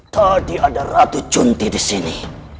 tadi ada ratu cunti di sini